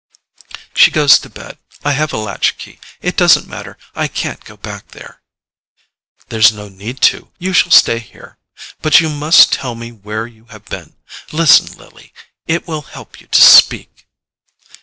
"She goes to bed. I have a latchkey. It doesn't matter—I can't go back there." "There's no need to: you shall stay here. But you must tell me where you have been. Listen, Lily—it will help you to speak!"